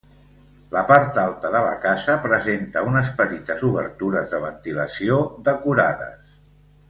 La part alta de la casa presenta unes petites obertures de ventilació decorades.